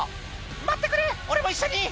待ってくれ俺も一緒に！